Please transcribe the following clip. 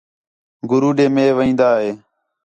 گُرو ݙے مے وین٘داں